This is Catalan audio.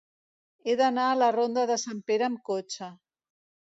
He d'anar a la ronda de Sant Pere amb cotxe.